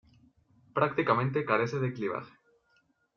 Prácticamente carece de clivaje.